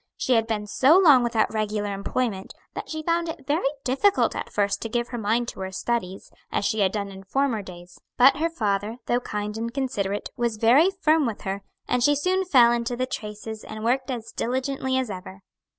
She had been so long without regular employment that she found it very difficult at first to give her mind to her studies, as she had done in former days; but her father, though kind and considerate, was very firm with her, and she soon fell into the traces and worked as diligently as ever.